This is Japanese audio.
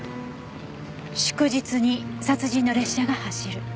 「祝日に殺人の列車が走る」